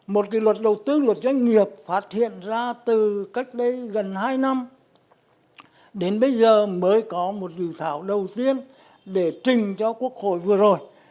một luật đầu tư luật doanh nghiệp phát hiện ra từ cách đây gần hai năm đến bây giờ mới có một dự thảo đầu tiên để trình cho quốc hội vừa rồi